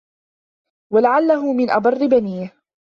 وَلَعَلَّهُ مِنْ أَبَرِّ بَنِيهِ